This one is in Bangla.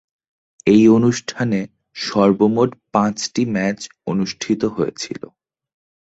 এই অনুষ্ঠানে সর্বমোট পাঁচটি ম্যাচ অনুষ্ঠিত হয়েছিল।